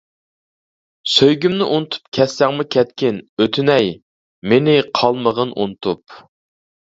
سۆيگۈمنى ئۇنتۇپ كەتسەڭمۇ كەتكىن، ئۆتۈنەي، مېنى قالمىغىن ئۇنتۇپ.